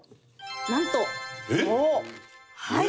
なんとはい！